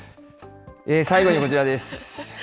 最後にこちらです。